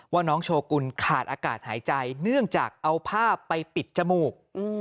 ว่าน้องโชกุลขาดอากาศหายใจเนื่องจากเอาผ้าไปปิดจมูก